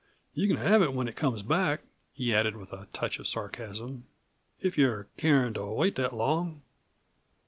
You c'n have it when it comes back," he added with a touch of sarcasm, "if you're carin' to wait that long."